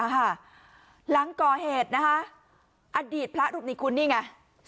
หลังก่อเหตุนะคะอดีตพระรูปนี้คุณนี่ไง